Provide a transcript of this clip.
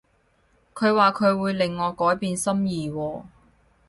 佢話佢會令我改變心意喎